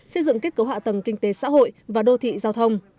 xây dựng kết cấu hạ tầng kinh tế xã hội và đô thị giao thông